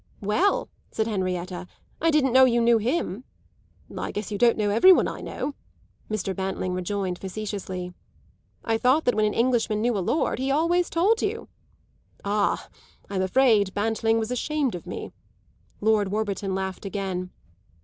"Well," said Henrietta, "I didn't know you knew him!" "I guess you don't know every one I know," Mr. Bantling rejoined facetiously. "I thought that when an Englishman knew a lord he always told you." "Ah, I'm afraid Bantling was ashamed of me," Lord Warburton laughed again.